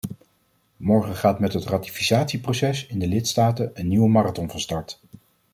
Morgen gaat met het ratificatieproces in de lidstaten een nieuwe marathon van start.